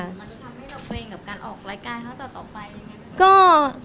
มันจะทำให้เราเกรงกับการออกรายการครั้งต่อไปยังไง